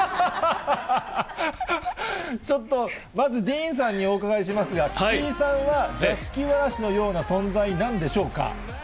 ちょっと、まずディーンさんにお伺いしますが、岸井さんは座敷童のような存在なんでしょうか？